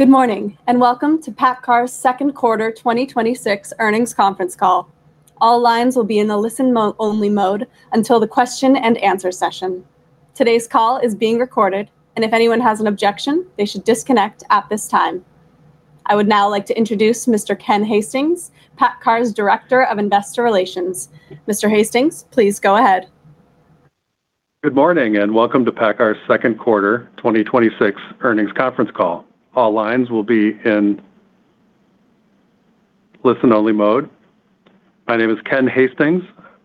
Good morning, and welcome to PACCAR's Second Quarter 2026 Earnings Conference Call. All lines will be in the listen only mode until the question-and-answer session. Today's call is being recorded, and if anyone has an objection, they should disconnect at this time. I would now like to introduce Mr. Ken Hastings, PACCAR's Director of Investor Relations. Mr. Hastings, please go ahead. Good morning, and welcome to PACCAR's second quarter 2026 earnings conference call. All lines will be in listen only mode. My name is Ken Hastings,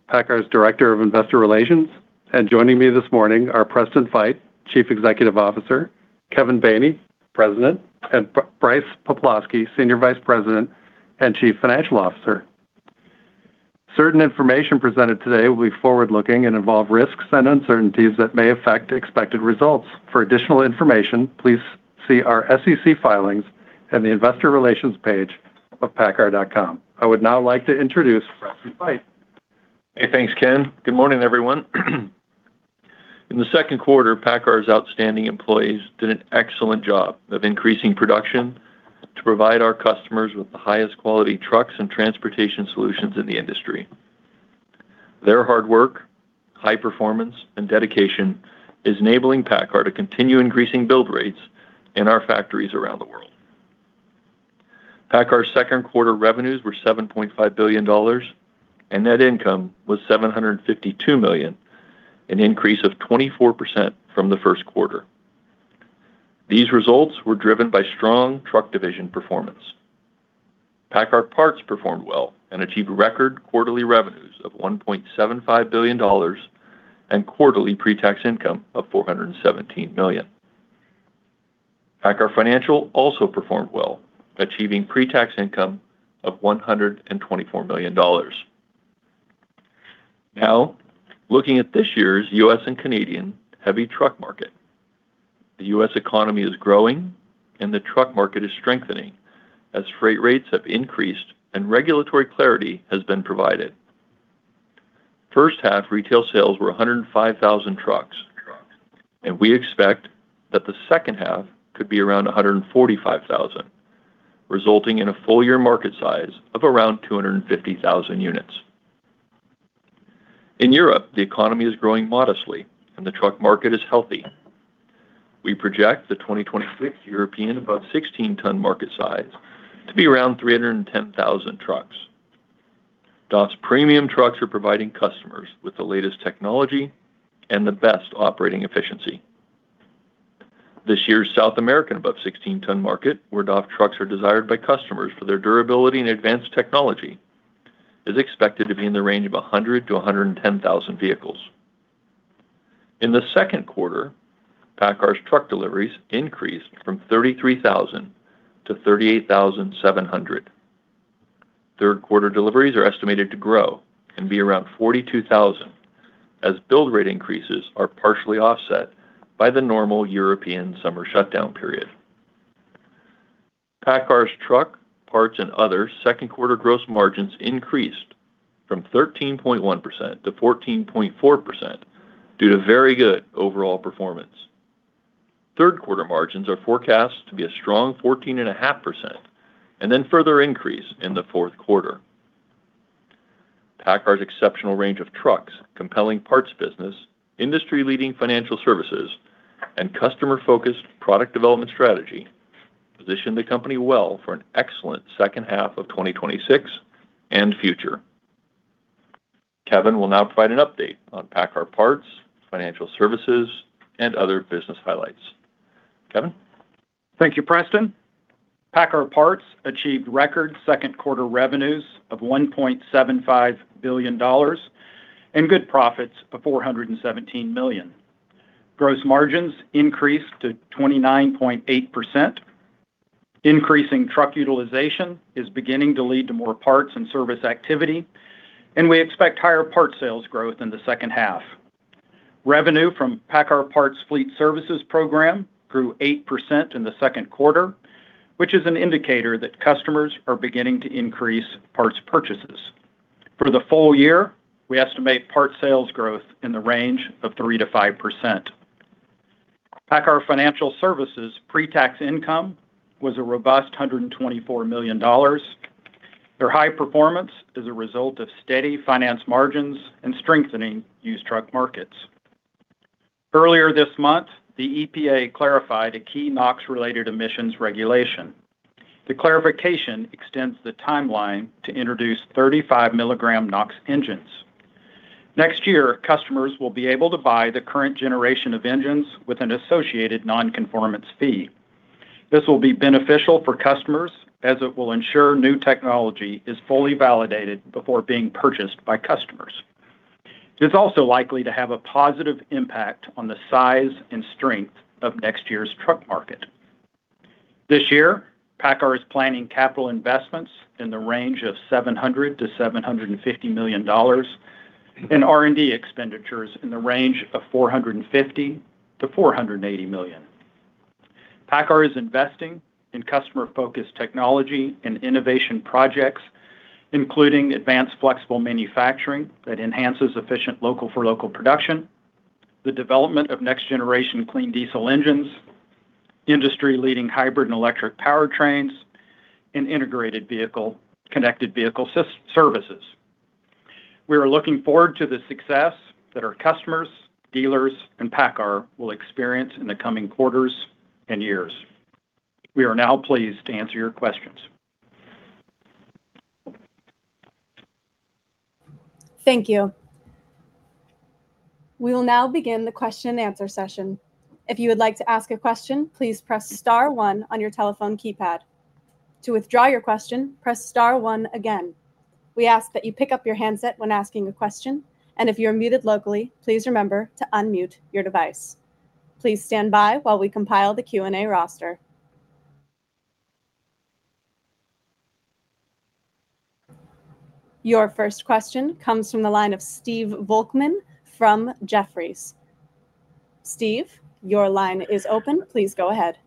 PACCAR's Director of Investor Relations, and joining me this morning are Preston Feight, Chief Executive Officer, Kevin Baney, President, and Brice Poplawski, Senior Vice President and Chief Financial Officer. Certain information presented today will be forward-looking and involve risks and uncertainties that may affect expected results. For additional information, please see our SEC filings and the Investor Relations page of paccar.com. I would now like to introduce Preston Feight. Hey, thanks, Ken. Good morning, everyone. In the second quarter, PACCAR's outstanding employees did an excellent job of increasing production to provide our customers with the highest quality trucks and transportation solutions in the industry. Their hard work, high performance, and dedication is enabling PACCAR to continue increasing build rates in our factories around the world. PACCAR's second quarter revenues were $7.5 billion, and net income was $752 million, an increase of 24% from the first quarter. These results were driven by strong truck division performance. PACCAR Parts performed well and achieved record quarterly revenues of $1.75 billion and quarterly pre-tax income of $417 million. PACCAR Financial also performed well, achieving pre-tax income of $124 million. Now, looking at this year's U.S. and Canadian heavy truck market. The U.S. economy is growing, and the truck market is strengthening as freight rates have increased and regulatory clarity has been provided. First half retail sales were 105,000 trucks, and we expect that the second half could be around 145,000, resulting in a full year market size of around 250,000 units. In Europe, the economy is growing modestly, and the truck market is healthy. We project the 2026 European above 16 ton market size to be around 310,000 trucks. DAF's premium trucks are providing customers with the latest technology and the best operating efficiency. This year's South American above 16 ton market, where DAF trucks are desired by customers for their durability and advanced technology, is expected to be in the range of 100,000-110,000 vehicles. In the second quarter, PACCAR's truck deliveries increased from 33,000-38,700. Third quarter deliveries are estimated to grow and be around 42,000, as build rate increases are partially offset by the normal European summer shutdown period. PACCAR's truck parts and other second quarter gross margins increased from 13.1%-14.4% due to very good overall performance. Third quarter margins are forecast to be a strong 14.5%, and then further increase in the fourth quarter. PACCAR's exceptional range of trucks, compelling parts business, industry leading Financial Services, and customer-focused product development strategy position the company well for an excellent second half of 2026 and future. Kevin will now provide an update on PACCAR Parts, Financial Services, and other business highlights. Kevin? Thank you, Preston. PACCAR Parts achieved record second quarter revenues of $1.75 billion and good profits of $417 million. Gross margins increased to 29.8%. Increasing truck utilization is beginning to lead to more parts and service activity, and we expect higher parts sales growth in the second half. Revenue from PACCAR Parts Fleet Services program grew 8% in the second quarter, which is an indicator that customers are beginning to increase parts purchases. For the full year, we estimate parts sales growth in the range of 3%-5%. PACCAR Financial Services pre-tax income was a robust $124 million. Their high performance is a result of steady finance margins and strengthening used truck markets. Earlier this month, the EPA clarified a key NOx related emissions regulation. The clarification extends the timeline to introduce 35 mg NOx engines. Next year, customers will be able to buy the current generation of engines with an associated non-conformance fee. This will be beneficial for customers as it will ensure new technology is fully validated before being purchased by customers. It's also likely to have a positive impact on the size and strength of next year's truck market. This year, PACCAR is planning capital investments in the range of $700 million-$750 million and R&D expenditures in the range of $450 million-$480 million. PACCAR is investing in customer-focused technology and innovation projects, including advanced flexible manufacturing that enhances efficient local for local production The development of next generation clean diesel engines, industry leading hybrid and electric powertrains, and integrated connected vehicle services. We are looking forward to the success that our customers, dealers, and PACCAR will experience in the coming quarters and years. We are now pleased to answer your questions. Thank you. We will now begin the question-and-answer session. If you would like to ask a question, please press star one on your telephone keypad. To withdraw your question, press star one again. We ask that you pick up your handset when asking a question, and if you're muted locally, please remember to unmute your device. Please stand by while we compile the Q&A roster. Your first question comes from the line of Steve Volkmann from Jefferies. Steve, your line is open. Please go ahead.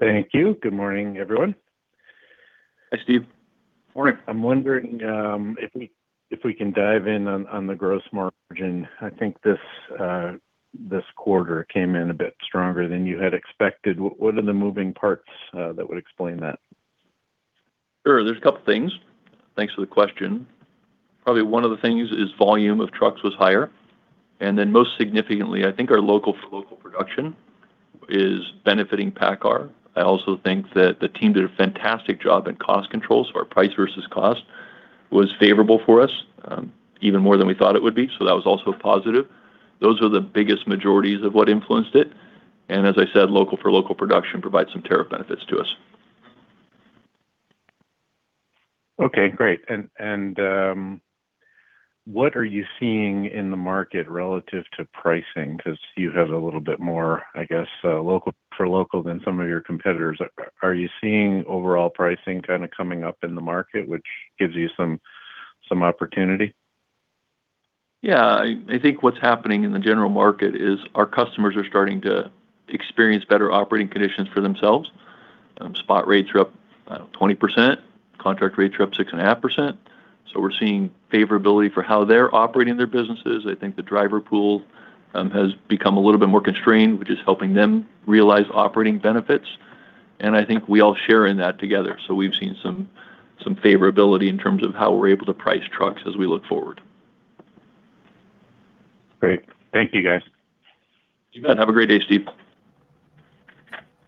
Thank you. Good morning, everyone. Hi, Steve. Morning. I'm wondering if we can dive in on the gross margin. I think this quarter came in a bit stronger than you had expected. What are the moving parts that would explain that? Sure. There's a couple things. Thanks for the question. Probably one of the things is volume of trucks was higher, then most significantly, I think our local-for-local production is benefiting PACCAR. I also think that the team did a fantastic job in cost control, so our price versus cost was favorable for us, even more than we thought it would be. That was also a positive. Those are the biggest majorities of what influenced it, and as I said, local-for-local production provides some tariff benefits to us. Okay, great. What are you seeing in the market relative to pricing? Because you have a little bit more, I guess, local-for-local than some of your competitors. Are you seeing overall pricing kind of coming up in the market, which gives you some opportunity? Yeah. I think what's happening in the general market is our customers are starting to experience better operating conditions for themselves. Spot rates are up, I don't know, 20%. Contract rates are up 6.5%. We're seeing favorability for how they're operating their businesses. I think the driver pool has become a little bit more constrained, which is helping them realize operating benefits, and I think we all share in that together. We've seen some favorability in terms of how we're able to price trucks as we look forward. Great. Thank you, guys. You bet. Have a great day, Steve.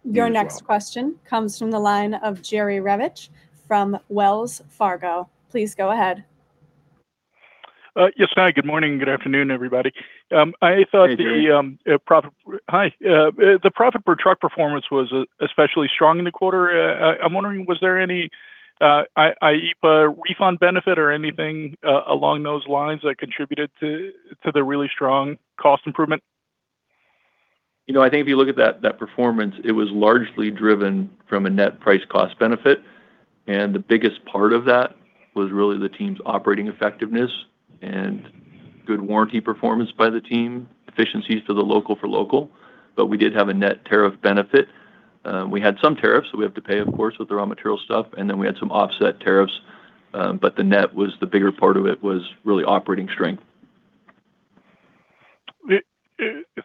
Your next question comes from the line of Jerry Revich from Wells Fargo. Please go ahead. Yes. Hi, good morning. Good afternoon, everybody. Hey, Jerry. Hi. The profit per truck performance was especially strong in the quarter. I'm wondering, was there any EPA refund benefit or anything along those lines that contributed to the really strong cost improvement? I think if you look at that performance, it was largely driven from a net price cost benefit. The biggest part of that was really the team's operating effectiveness and good warranty performance by the team, efficiencies to the local-for-local. We did have a net tariff benefit. We had some tariffs, so we have to pay, of course, with the raw material stuff. Then we had some offset tariffs. The net was the bigger part of it, was really operating strength.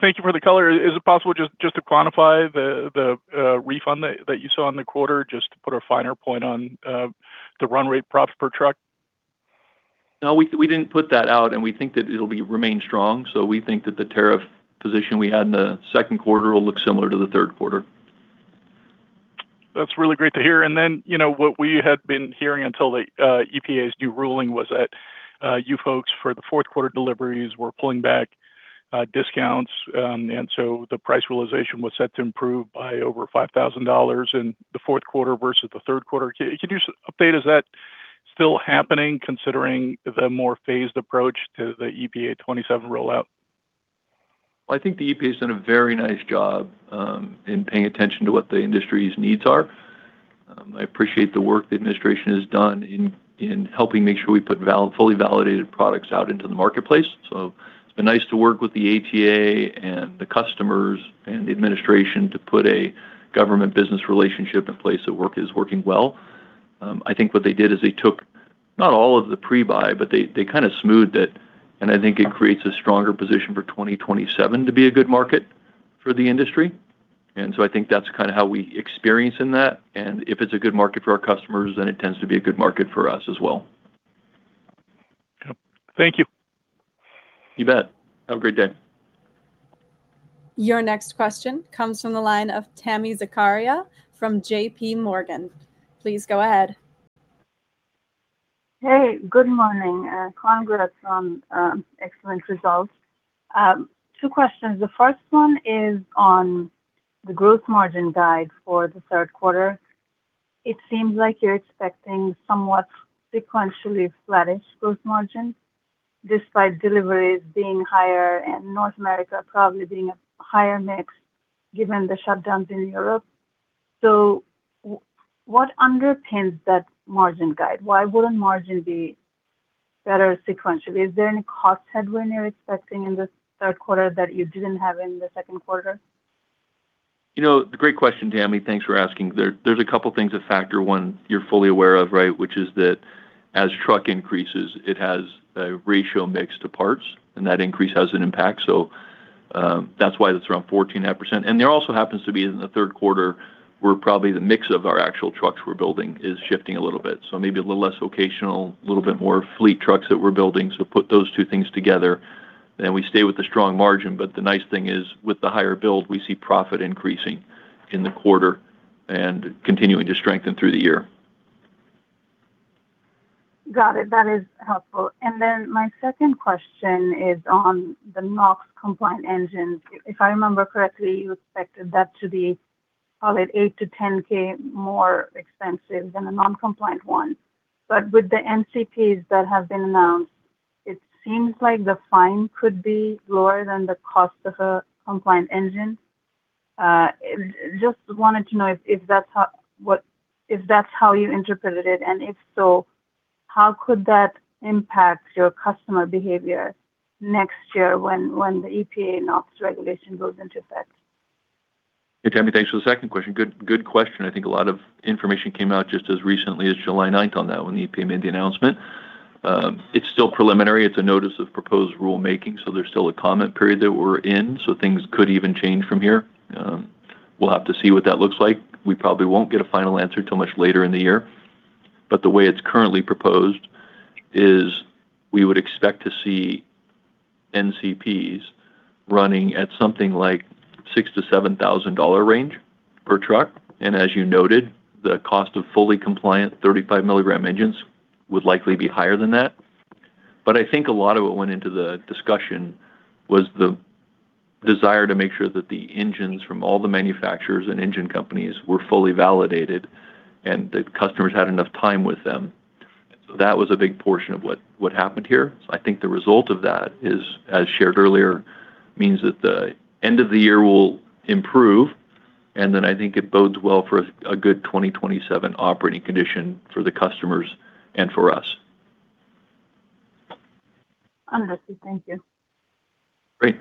Thank you for the color. Is it possible just to quantify the refund that you saw in the quarter, just to put a finer point on the run rate profits per truck? No, we didn't put that out. We think that it'll remain strong. We think that the tariff position we had in the second quarter will look similar to the third quarter. That's really great to hear. What we had been hearing until the EPA's new ruling was that you folks, for the fourth quarter deliveries, were pulling back discounts, so the price realization was set to improve by over $5,000 in the fourth quarter versus the third quarter. Can you update, is that still happening considering the more phased approach to the EPA 2027 rollout? Well, I think the EPA's done a very nice job in paying attention to what the industry's needs are. I appreciate the work the administration has done in helping make sure we put fully validated products out into the marketplace. It's been nice to work with the ATA and the customers and the administration to put a government business relationship in place that is working well. I think what they did is they took, not all of the pre-buy, but they kind of smoothed it, and I think it creates a stronger position for 2027 to be a good market for the industry. I think that's kind of how we experience in that, and if it's a good market for our customers, then it tends to be a good market for us as well. Yes. Thank you. You bet. Have a great day. Your next question comes from the line of Tami Zakaria from JPMorgan. Please go ahead. Hey, good morning. Congrats on excellent results. Two questions. The first one is on the growth margin guide for the third quarter. It seems like you're expecting somewhat sequentially flattish growth margin, despite deliveries being higher and North America probably being a higher mix given the shutdowns in Europe. What underpins that margin guide? Why wouldn't margin be better sequentially? Is there any cost headwind you're expecting in this third quarter that you didn't have in the second quarter? Great question, Tami. Thanks for asking. There's a couple things that factor. One you're fully aware of, which is that as truck increases, it has a ratio mix to parts and that increase has an impact. That's why it's around 14.5%. There also happens to be in the third quarter, where probably the mix of our actual trucks we're building is shifting a little bit. Maybe a little less occasional, a little bit more fleet trucks that we're building. Put those two things together and we stay with the strong margin. The nice thing is with the higher build, we see profit increasing in the quarter and continuing to strengthen through the year. Got it. That is helpful. My second question is on the NOx compliant engines. If I remember correctly, you expected that to be call it 8-K to 10-K more expensive than the non-compliant one. With the NCPs that have been announced, it seems like the fine could be lower than the cost of a compliant engine. Just wanted to know if that's how you interpreted it, and if so, how could that impact your customer behavior next year when the EPA NOx regulation goes into effect? Hey, Tami. Thanks for the second question. Good question. I think a lot of information came out just as recently as July 9th on that, when the EPA made the announcement. It's still preliminary. It's a notice of proposed rulemaking, so there's still a comment period that we're in, so things could even change from here. We'll have to see what that looks like. We probably won't get a final answer till much later in the year. The way it's currently proposed is we would expect to see NCPs running at something like $6,000-$7,000 range per truck. As you noted, the cost of fully compliant 35 mg engines would likely be higher than that. I think a lot of what went into the discussion was the desire to make sure that the engines from all the manufacturers and engine companies were fully validated, and that customers had enough time with them. That was a big portion of what happened here. I think the result of that is, as shared earlier, means that the end of the year will improve. I think it bodes well for a good 2027 operating condition for the customers and for us. Understood. Thank you. Great.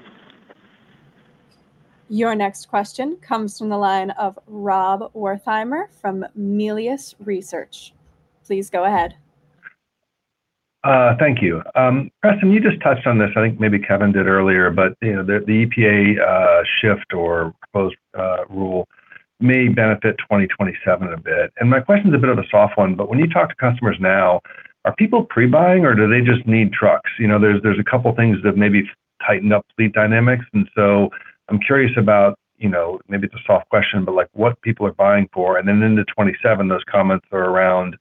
Your next question comes from the line of Rob Wertheimer from Melius Research. Please go ahead. Thank you. Preston, you just touched on this, I think maybe Kevin did earlier, the EPA shift or proposed rule may benefit 2027 a bit. My question's a bit of a soft one, but when you talk to customers now, are people pre-buying or do they just need trucks? There's a couple things that maybe tightened up fleet dynamics, I'm curious about, maybe it's a soft question, but what people are buying for. Into 2027, those comments are around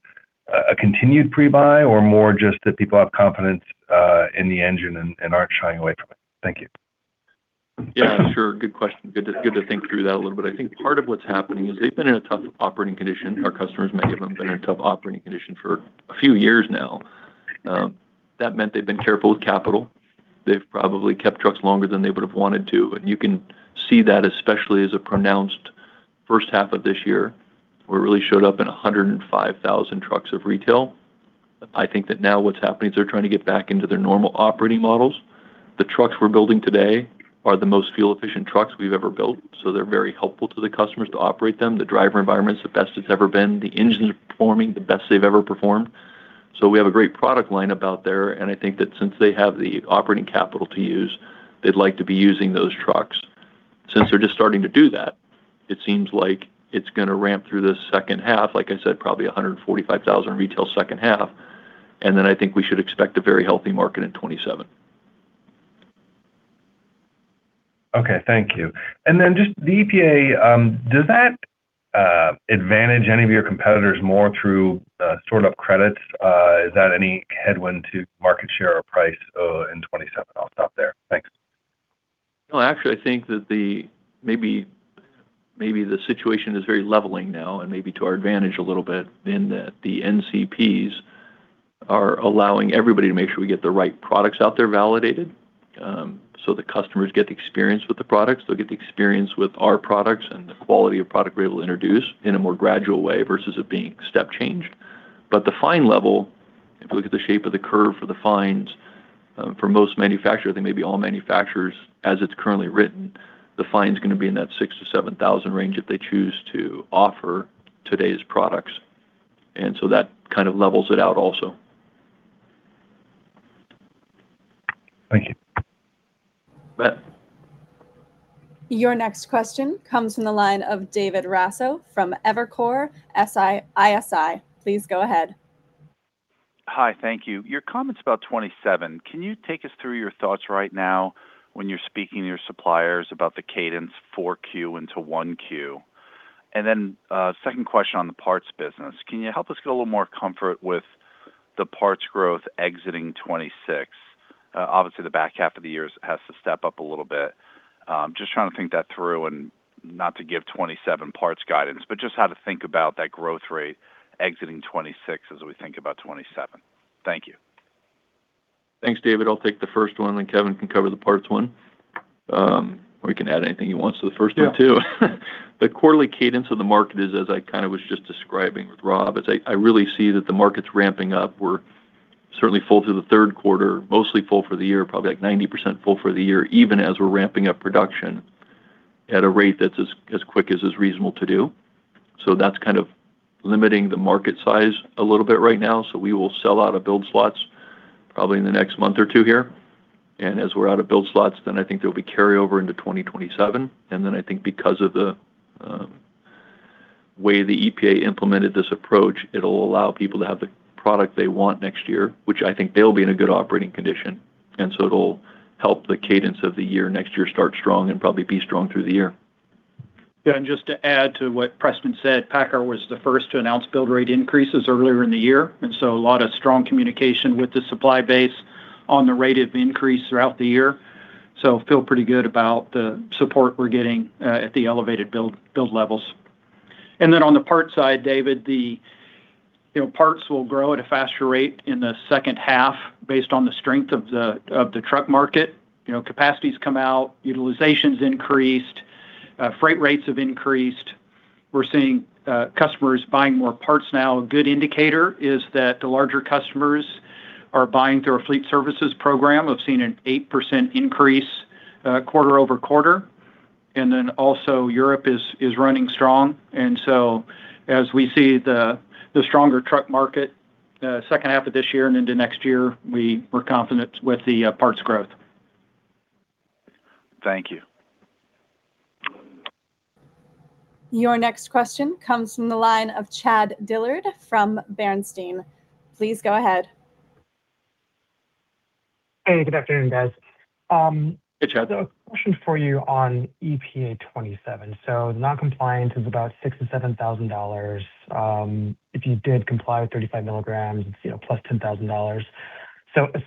a continued pre-buy or more just that people have confidence in the engine and aren't shying away from it. Thank you. Yeah, sure. Good question. Good to think through that a little bit. I think part of what's happening is they've been in a tough operating condition. Our customers, many of them, have been in a tough operating condition for a few years now. That meant they've been careful with capital. They've probably kept trucks longer than they would've wanted to, you can see that especially as a pronounced first half of this year, where it really showed up in 105,000 trucks of retail. I think that now what's happening is they're trying to get back into their normal operating models. The trucks we're building today are the most fuel-efficient trucks we've ever built, they're very helpful to the customers to operate them. The driver environment's the best it's ever been. The engines are performing the best they've ever performed. We have a great product line about there, I think that since they have the operating capital to use, they'd like to be using those trucks. Since they're just starting to do that, it seems like it's going to ramp through the second half, like I said, probably 145,000 retail second half, I think we should expect a very healthy market in 2027. Okay, thank you. Just the EPA, does that advantage any of your competitors more through stored up credits? Is that any headwind to market share or price in 2027? I'll stop there. Thanks. No, actually, I think that maybe the situation is very leveling now and maybe to our advantage a little bit in that the NCPs are allowing everybody to make sure we get the right products out there validated, so the customers get the experience with the products. They'll get the experience with our products and the quality of product we're able to introduce in a more gradual way versus it being step change. The fine level, if you look at the shape of the curve for the fines for most manufacturers, I think maybe all manufacturers, as it's currently written, the fine's going to be in that $6,000-$7,000 range if they choose to offer today's products. That kind of levels it out also. Thank you. You bet. Your next question comes from the line of David Raso from Evercore ISI. Please go ahead. Hi. Thank you. Your comments about 2027, can you take us through your thoughts right now when you're speaking to your suppliers about the cadence 4Q into 1Q? Second question on the parts business, can you help us get a little more comfort with the parts growth exiting 2026? The back half of the year has to step up a little bit. Just trying to think that through and not to give 2027 parts guidance, but just how to think about that growth rate exiting 2026 as we think about 2027. Thank you. Thanks, David. I'll take the first one, then Kevin can cover the parts one. He can add anything he wants to the first one, too. The quarterly cadence of the market is, as I kind of was just describing with Rob, is I really see that the market's ramping up. We're certainly full through the third quarter, mostly full for the year, probably like 90% full for the year, even as we're ramping up production at a rate that's as quick as is reasonable to do. That's kind of limiting the market size a little bit right now. We will sell out of build slots probably in the next month or two here. As we're out of build slots, then I think there'll be carryover into 2027. I think because of the way the EPA implemented this approach, it'll allow people to have the product they want next year, which I think they'll be in a good operating condition. It'll help the cadence of the year next year start strong and probably be strong through the year. Yeah, just to add to what Preston said, PACCAR was the first to announce build rate increases earlier in the year. A lot of strong communication with the supply base on the rate of increase throughout the year. Feel pretty good about the support we're getting at the elevated build levels. On the parts side, David, the parts will grow at a faster rate in the second half based on the strength of the truck market. Capacities come out, utilization's increased, freight rates have increased. We're seeing customers buying more parts now. A good indicator is that the larger customers are buying through our Fleet Services program. We've seen an 8% increase quarter-over-quarter, also Europe is running strong. As we see the stronger truck market second half of this year and into next year, we're confident with the parts growth. Thank you. Your next question comes from the line of Chad Dillard from Bernstein. Please go ahead. Hey, good afternoon, guys. Hey, Chad. A question for you on EPA 2027. Non-compliance is about $6,000-$7,000. If you did comply with 35 mg, it's +$10,000.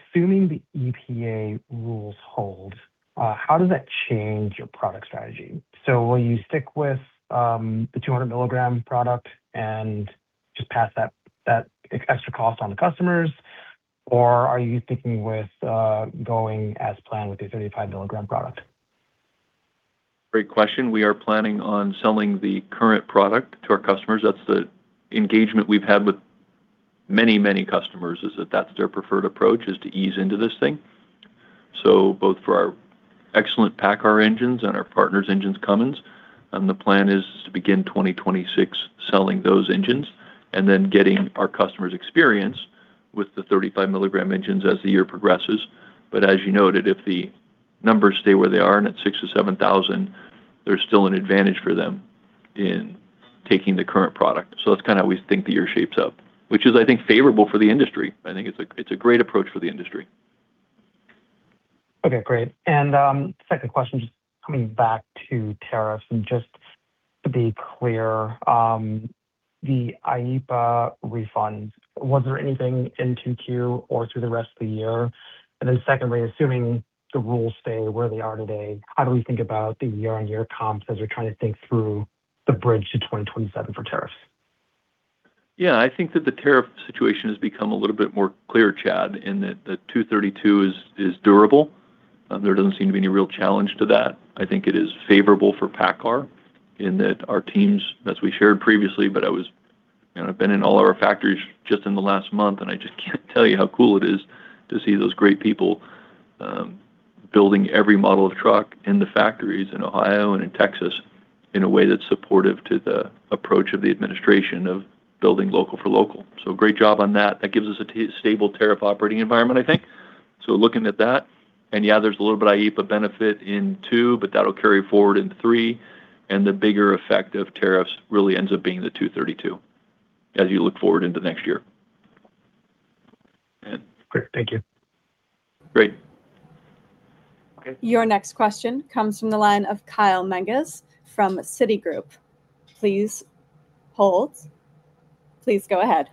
Assuming the EPA rules hold, how does that change your product strategy? Will you stick with the 200 mg product and just pass that extra cost on the customers? Or are you sticking with going as planned with the 35 mg product? Great question. We are planning on selling the current product to our customers. That's the engagement we've had with many, many customers, is that that's their preferred approach, is to ease into this thing. Both for our excellent PACCAR engines and our partner's engines, Cummins, the plan is to begin 2026 selling those engines and then getting our customers' experience with the 35 mg engines as the year progresses. But as you noted, if the numbers stay where they are and at $6,000 or $7,000, there's still an advantage for them in taking the current product. That's kind of how we think the year shapes up, which is, I think, favorable for the industry. I think it's a great approach for the industry. Okay, great. Second question, just coming back to tariffs, just to be clear, the EPA refunds, was there anything in 2Q or through the rest of the year? Secondly, assuming the rules stay where they are today, how do we think about the year-on-year comps as we're trying to think through the bridge to 2027 for tariffs? Yeah, I think that the tariff situation has become a little bit more clear, Chad, in that the 232 is durable. There doesn't seem to be any real challenge to that. I think it is favorable for PACCAR in that our teams, as we shared previously, but I've been in all our factories just in the last month, and I just can't tell you how cool it is to see those great people building every model of truck in the factories in Ohio and in Texas in a way that's supportive to the approach of the administration of building local for local. Great job on that. That gives us a stable tariff operating environment, I think. Looking at that, yeah, there's a little bit of EPA benefit in two, but that'll carry forward in three. The bigger effect of tariffs really ends up being the 232 as you look forward into next year. Great. Thank you. Great. Okay. Your next question comes from the line of Kyle Menges from Citigroup. Please hold. Please go ahead.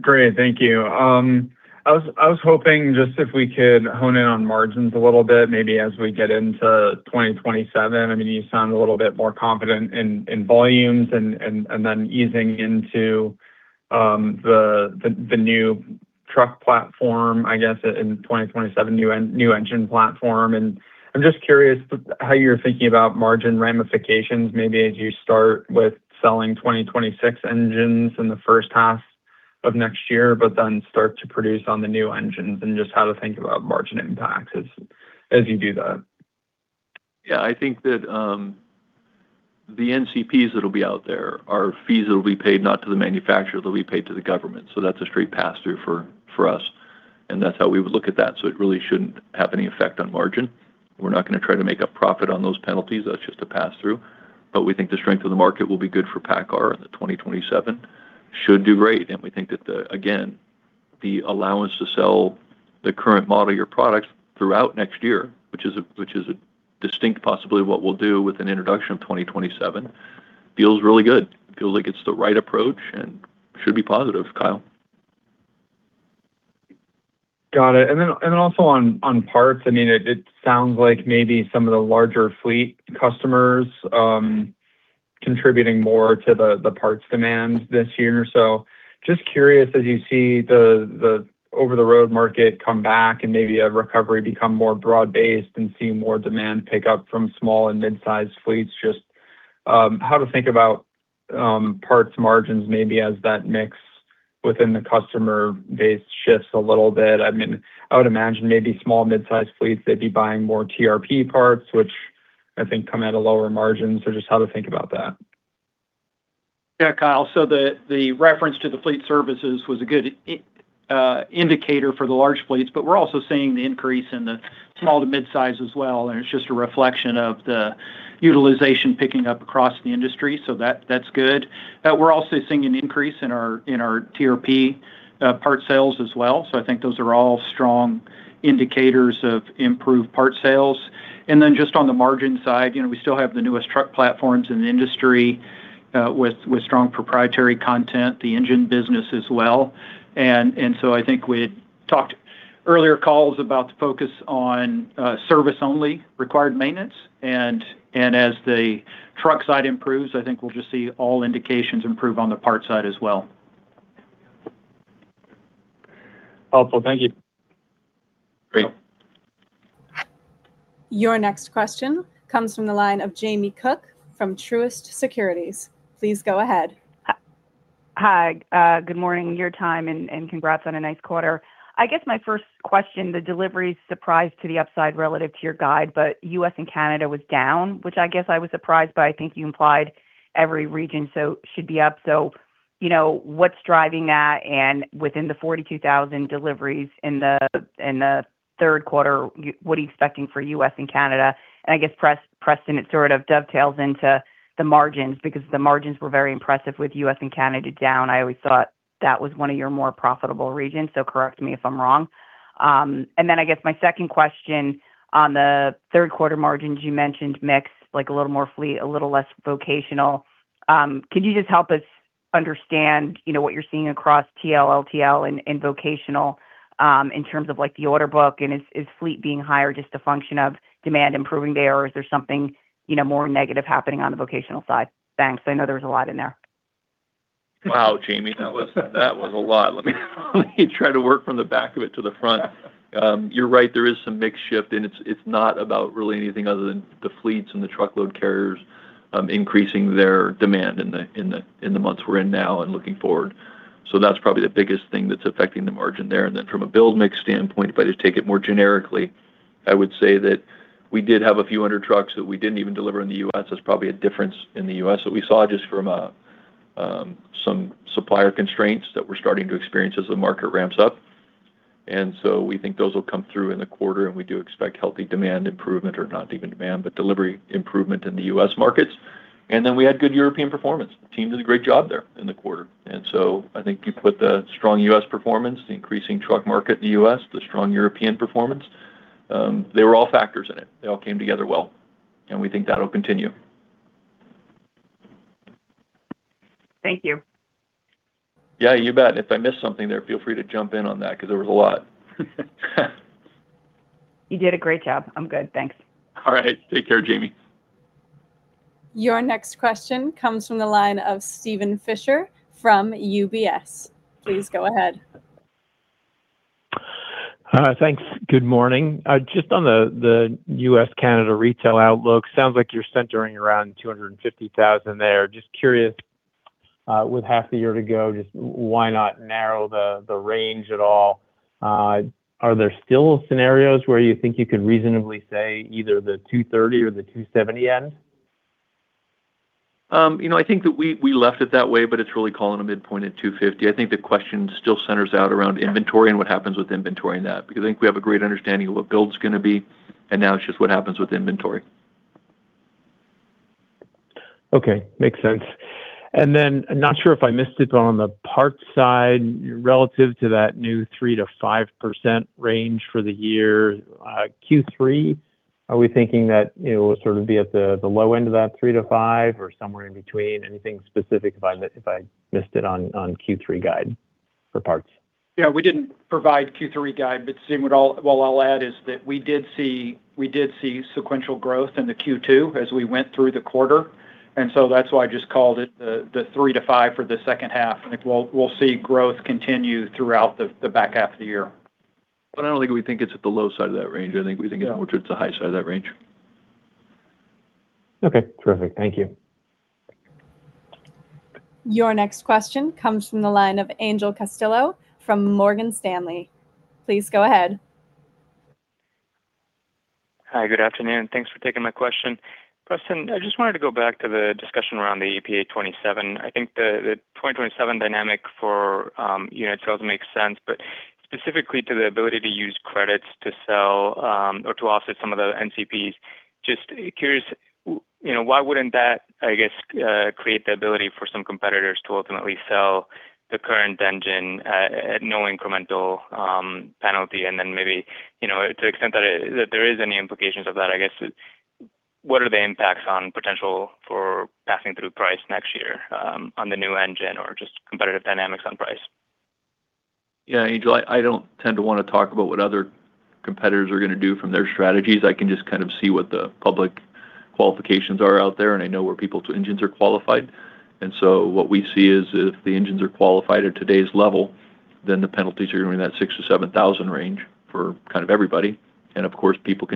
Great. Thank you. I was hoping just if we could hone in on margins a little bit, maybe as we get into 2027. You sound a little bit more confident in volumes and then easing into the new truck platform, I guess, in 2027, new engine platform. I'm just curious how you're thinking about margin ramifications, maybe as you start with selling 2026 engines in the first half of next year, but then start to produce on the new engines and just how to think about margin impacts as you do that. Yeah, I think that the NCPs that'll be out there are fees that will be paid, not to the manufacturer, that will be paid to the government. That's a straight pass-through for us, and that's how we would look at that. It really shouldn't have any effect on margin. We're not going to try to make a profit on those penalties. That's just a pass-through. We think the strength of the market will be good for PACCAR, and the 2027 should do great. We think that, again, the allowance to sell the current model year products throughout next year, which is distinct possibly what we'll do with an introduction of 2027, feels really good, feels like it's the right approach and should be positive, Kyle. Got it. Then also on parts, it sounds like maybe some of the larger fleet customers contributing more to the parts demand this year. Just curious as you see the over-the-road market come back and maybe a recovery become more broad-based and see more demand pick up from small and mid-sized fleets just How to think about parts margins maybe as that mix within the customer base shifts a little bit. I would imagine maybe small mid-size fleets, they'd be buying more TRP parts, which I think come at a lower margin. Just how to think about that. Yeah, Kyle. The reference to the fleet services was a good indicator for the large fleets, but we're also seeing the increase in the small to mid-size as well, and it's just a reflection of the utilization picking up across the industry. That's good. We're also seeing an increase in our TRP parts sales as well. I think those are all strong indicators of improved parts sales. Then just on the margin side, we still have the newest truck platforms in the industry with strong proprietary content, the engine business as well. I think we had talked earlier calls about the focus on service only required maintenance, and as the truck side improves, I think we'll just see all indications improve on the parts side as well. Helpful. Thank you. Great. Your next question comes from the line of Jamie Cook from Truist Securities. Please go ahead. Hi. Good morning your time. Congrats on a nice quarter. My first question, the deliveries surprise to the upside relative to your guide. U.S. and Canada was down, which I guess I was surprised by. I think you implied every region should be up. What's driving that? Within the 42,000 deliveries in the third quarter, what are you expecting for U.S. and Canada? I guess, Preston, it sort of dovetails into the margins because the margins were very impressive with U.S. and Canada down. I always thought that was one of your more profitable regions. Correct me if I'm wrong. I guess my second question on the third quarter margins you mentioned mix, like a little more fleet, a little less vocational. Can you just help us understand what you're seeing across TL, LTL, and vocational, in terms of the order book? Is fleet being higher just a function of demand improving there, or is there something more negative happening on the vocational side? Thanks. I know there was a lot in there. Wow, Jamie, that was a lot. Let me try to work from the back of it to the front. You're right, there is some mix shift. It's not about really anything other than the fleets and the truckload carriers increasing their demand in the months we're in now and looking forward. That's probably the biggest thing that's affecting the margin there. From a build mix standpoint, if I just take it more generically, I would say that we did have a few hundred trucks that we didn't even deliver in the U.S. That's probably a difference in the U.S. that we saw just from some supplier constraints that we're starting to experience as the market ramps up. We think those will come through in the quarter, and we do expect healthy demand improvement, or not even demand, but delivery improvement in the U.S. markets. We had good European performance. The team did a great job there in the quarter. I think you put the strong U.S. performance, the increasing truck market in the U.S., the strong European performance, they were all factors in it. They all came together well, and we think that'll continue. Thank you. Yeah, you bet. If I missed something there, feel free to jump in on that because there was a lot. You did a great job. I'm good, thanks. All right. Take care, Jamie. Your next question comes from the line of Steven Fisher from UBS. Please go ahead. Thanks. Good morning. Just on the U.S.-Canada retail outlook, sounds like you're centering around 250,000 there. Just curious, with half the year to go, just why not narrow the range at all? Are there still scenarios where you think you could reasonably say either the 230,000 or the 270,000 end? I think that we left it that way, but it's really calling a midpoint at 250,000. I think the question still centers out around inventory and what happens with inventory in that. I think we have a great understanding of what build's going to be, now it's just what happens with inventory. Okay. Makes sense. Then, not sure if I missed it, but on the parts side, relative to that new 3%-5% range for the year, Q3, are we thinking that it will sort of be at the low end of that three to five or somewhere in between? Anything specific if I missed it on Q3 guide for parts? Yeah, we didn't provide Q3 guide, Steven, what I'll add is that we did see sequential growth into Q2 as we went through the quarter, that's why I just called it the three to five for the second half, we'll see growth continue throughout the back half of the year. I don't think we think it's at the low side of that range. I think we think it's more towards the high side of that range. Okay. Terrific. Thank you. Your next question comes from the line of Angel Castillo from Morgan Stanley. Please go ahead. Hi, good afternoon. Thanks for taking my question. Preston, I just wanted to go back to the discussion around the EPA 2027. I think the 2027 dynamic for unit sales makes sense, but specifically to the ability to use credits to sell or to offset some of the NCPs, just curious, why wouldn't that, I guess, create the ability for some competitors to ultimately sell the current engine at no incremental penalty? Maybe, to the extent that there is any implications of that, I guess, what are the impacts on potential for passing through price next year on the new engine or just competitive dynamics on price? Yeah, Angel, I don't tend to want to talk about what other competitors are going to do from their strategies. I can just kind of see what the public qualifications are out there, and I know where people's engines are qualified. What we see is if the engines are qualified at today's level, then the penalties are going to be in that $6,000-$7,000 range for kind of everybody. Of course, people can-